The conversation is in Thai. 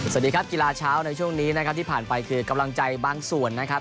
สวัสดีครับกีฬาเช้าในช่วงนี้นะครับที่ผ่านไปคือกำลังใจบางส่วนนะครับ